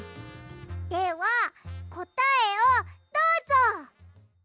ではこたえをどうぞ！